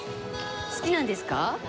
好きなんですか？